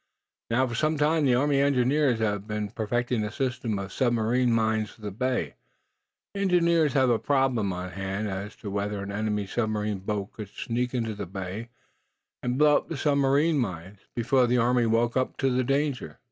Now, for some time the Army engineer officers have been perfecting a system of submarine mines for the bay. The engineers have a problem on hand as to whether an enemy's submarine boats could sneak into the bay and blow up the submarine mines before the Army woke up to the danger."